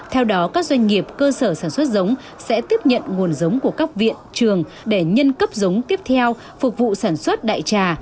theo đó các doanh nghiệp cơ sở sản xuất giống sẽ tiếp nhận nguồn giống của các viện trường để nhân cấp giống tiếp theo phục vụ sản xuất đại trà